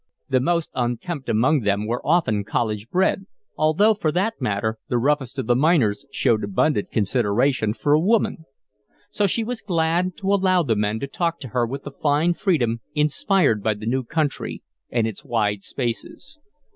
The most unkempt among them were often college bred, although, for that matter, the roughest of the miners showed abundant consideration for a woman. So she was glad to allow the men to talk to her with the fine freedom inspired by the new country and its wide spaces.